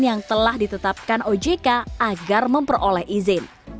yang telah ditetapkan ojk agar memperoleh izin